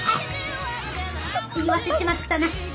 言わせちまったな。